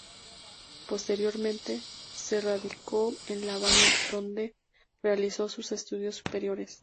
Posteriormente, se radicó en La Habana, donde realizó sus estudios superiores.